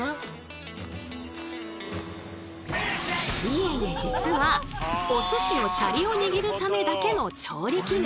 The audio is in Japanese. いえいえ実はおすしのシャリをにぎるためだけの調理器具。